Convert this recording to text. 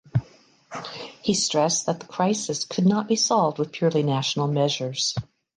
He stressed that the crisis could not be solved with purely national measures.